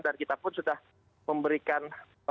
dan kita pun sudah memberikan